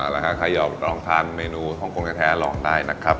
แล้วใครอยากลองทานเมนูฮ่องกงแท้ลองได้นะครับ